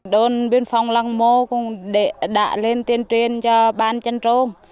đồn biên phòng lăng mô cũng đã lên tuyên truyền cho ban chân trôm